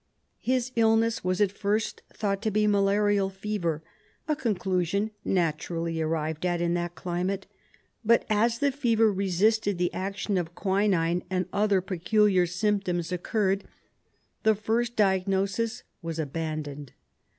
His illness was at first thought to be malarial fever, a conclusion naturally arrived at in that climate, but as the fever resisted the action of quinine and other peculiar symptoms occurred the first diagnosis was abandoned.